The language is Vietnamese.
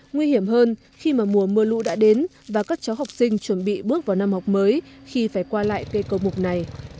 nguy hiểm hơn khi mà mùa mưa lũ đã đến và các cháu học sinh chuẩn bị bước vào năm học mới khi phải qua lại cây cầu mục này